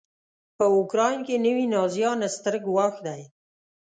په اوکراین کې نوي نازیان ستر ګواښ دی.